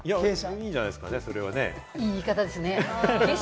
いいんじゃないですかね、それは。